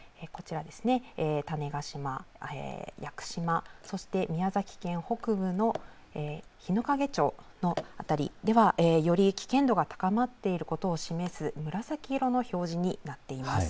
こちら種子島・屋久島、そして宮崎県北部の日之影町の辺りではより危険度が高まっていることを示す紫色の表示になっています。